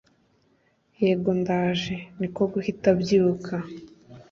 yego ndaje, niko guhita abyuka